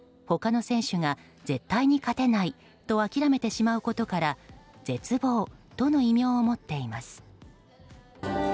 他の選手が絶対に勝てないと諦めてしまうことから絶望との異名を持っています。